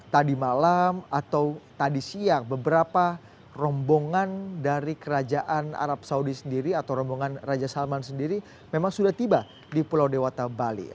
tadi malam atau tadi siang beberapa rombongan dari kerajaan arab saudi sendiri atau rombongan raja salman sendiri memang sudah tiba di pulau dewata bali